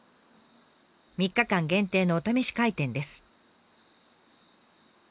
３日間限定のお試し開店です。